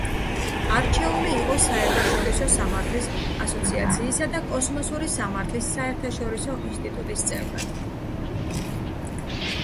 არჩეული იყო საერთაშორისო სამართლის ასოციაციისა და კოსმოსური სამართლის საერთაშორისო ინსტიტუტის წევრად.